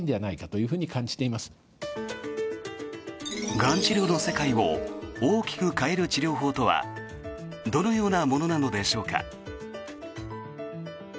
がん治療の世界を大きく変える治療法とはどのようなものなのでしょうか。